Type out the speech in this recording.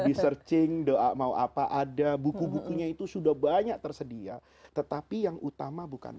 di searching doa mau apa ada buku bukunya itu sudah banyak tersedia tetapi yang utama bukan